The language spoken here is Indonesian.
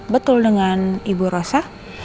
betul dengan ibu rosa